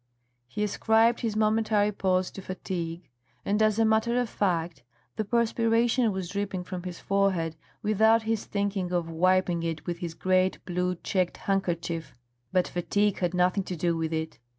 He ascribed his momentary pause to fatigue, and as a matter of fact, the perspiration was dripping from his forehead without his thinking of wiping it with his great blue checked handkerchief; but fatigue had nothing to do with it.